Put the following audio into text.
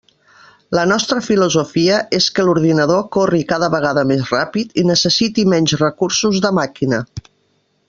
La nostra filosofia és que l'ordinador corri cada vegada més ràpid i necessiti menys recursos de màquina.